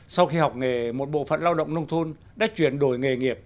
sau khi học nghề một bộ phận lao động nông thôn đã chuyển đổi nghề nghiệp